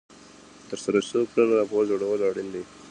د ترسره شوو کړنو راپور جوړول اړین دي.